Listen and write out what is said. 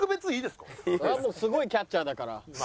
すごいキャッチャーだから。